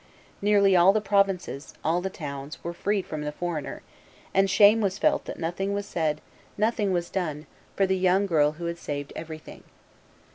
Nearly all the provinces, all the towns, were freed from the foreigner, and shame was felt that nothing was said, nothing done, for the young girl who had saved everything.